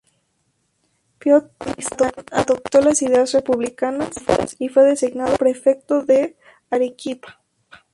Pío Tristán adoptó las ideas republicanas y fue designado prefecto de Arequipa.